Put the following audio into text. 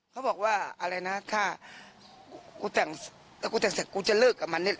เขาบอกว่าอะไรนะถ้ากูแต่งเสร็จกูจะเลิกกับมันนี่